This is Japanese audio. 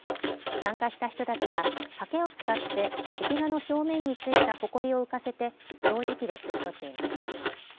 参加した人たちははけを使って壁画の表面に付いたほこりを浮かせて掃除機で吸い取っていました。